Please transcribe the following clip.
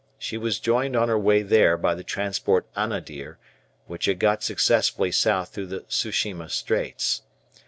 She was joined on her way there by the transport "Anadir," which had got successfully south through the Tsu shima Straits.